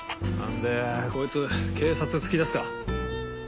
でこいつ警察突き出すか？